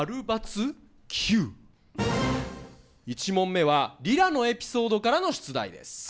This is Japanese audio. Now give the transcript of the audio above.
１問目は莉良のエピソードからの出題です。